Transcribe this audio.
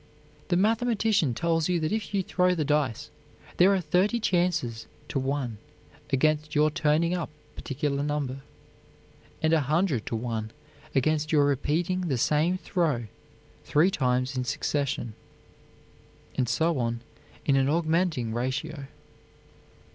The mathematician tells you that if you throw the dice, there are thirty chances to one against your turning up a particular number, and a hundred to one against your repeating the same throw three times in succession: and so on in an augmenting ratio.